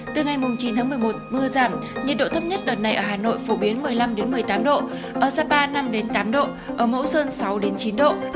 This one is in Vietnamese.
từ ngày chín tháng một mươi một mưa giảm nhiệt độ thấp nhất đợt này ở hà nội phổ biến một mươi năm một mươi tám độ ở sapa năm tám độ ở mẫu sơn sáu chín độ